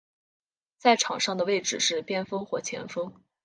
在场上的位置是边锋或前锋。